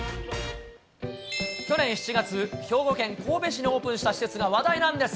去年７月、兵庫県神戸市にオープンした施設が話題なんです。